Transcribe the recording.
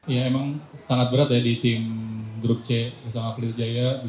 ya emang sangat berat ya di tim grup c bersama peliru jaya